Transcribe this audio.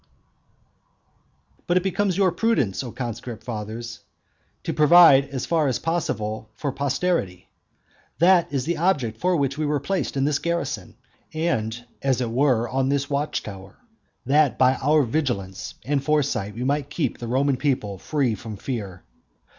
VII. But it becomes your prudence, O conscript fathers, to provide as far forward as possible for posterity. That is the object for which we were placed in this garrison, and as it were on this watch tower; that by our vigilance and foresight we might keep the Roman people free from fear.